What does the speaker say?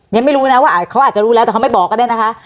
ไม่รู้นะว่าเขาอาจจะรู้แล้วแต่เขาไม่บอกก็ได้นะคะ